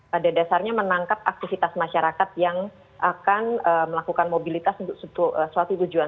pada dasarnya menangkap aktivitas masyarakat yang akan melakukan mobilitas untuk suatu tujuan